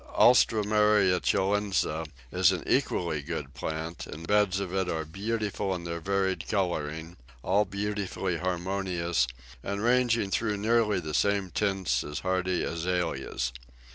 Alströmeria chilense is an equally good plant, and beds of it are beautiful in their varied colourings, all beautifully harmonious, and ranging through nearly the same tints as hardy Azaleas.